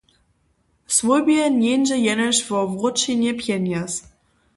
Swójbje njeńdźe jenož wo wróćenje pjenjez.